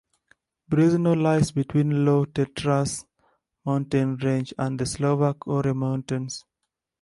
Brezno lies between Low Tatras mountain range and the Slovak Ore Mountains.